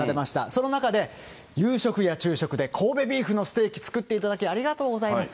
その中で、夕食や昼食で神戸ビーフのステーキ、作っていただき、ありがとうございます。